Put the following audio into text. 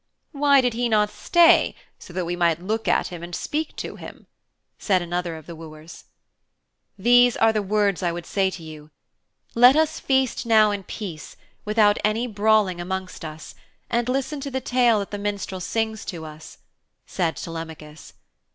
'Why did he not stay so that we might look at him and speak to him?' said another of the wooers. 'These are the words I would say to you. Let us feast now in peace, without any brawling amongst us, and listen to the tale that the minstrel sings to us,' said Telemachus.